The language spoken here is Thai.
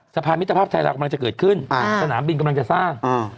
สะพานมิตรภาพไทยละกำลังจะเกิดขึ้นสนามบินกำลังจะสร้าง